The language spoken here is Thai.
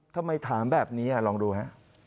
ทำไมถามแบบนี้ลองดูฮะ